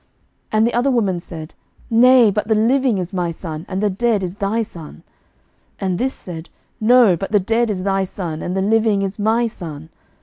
11:003:022 And the other woman said, Nay; but the living is my son, and the dead is thy son. And this said, No; but the dead is thy son, and the living is my son.